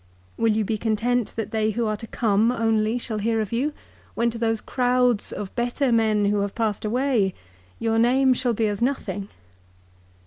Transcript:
Will you be content that they who are to come only shall hear of you, when to those crowds of better men who have passed away your name shall be as nothing